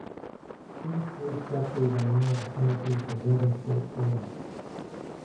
These three structures are now the centerpiece of Redden State Forest.